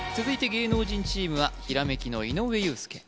続いて芸能人チームは閃きの井上裕介